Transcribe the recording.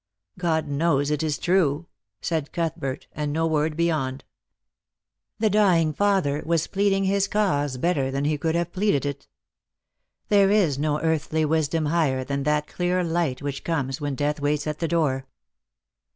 " God knows it is true !" said Cuthbert, and no word beyond. The dying father was pleading his cause better than he could have pleaded it. There is no earthly wisdom higher than that clear light which comes when death waits at the door.